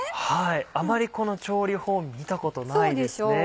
あまりこの調理法見たことないですね。